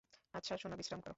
আচ্ছা সোনা, বিশ্রাম করো।